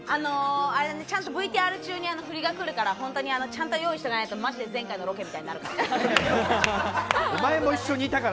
『ゼロイチ』の先輩として何ＶＴＲ中にふりが来るから、ちゃんと用意してないとマジで前回のロケみたいになるから！